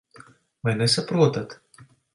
Vai nesaprotat?